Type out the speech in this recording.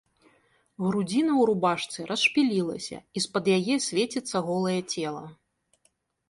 Грудзіна ў рубашцы расшпілілася, і з-пад яе свеціцца голае цела.